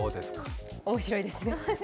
面白いですね。